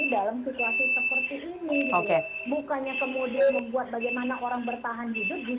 ini semakin mengkhawatirkan